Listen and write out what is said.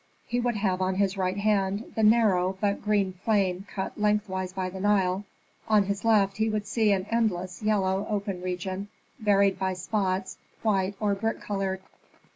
He would have on his right hand the narrow but green plain cut lengthwise by the Nile; on his left he would see an endless yellow open region, varied by spots, white or brick colored.